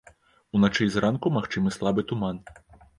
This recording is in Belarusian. Уначы і зранку магчымы слабы туман.